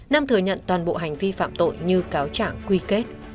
nam thừa nhận toàn bộ hành vi phạm tội như cáo trạng quy kết